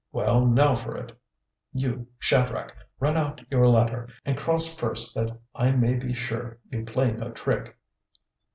Well, now for it. You, Shadrach, run out your ladder and cross first that I may be sure you play no trick."